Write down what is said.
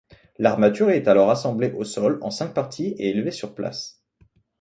L'armature est alors assemblée au sol en cinq parties et élevée sur place.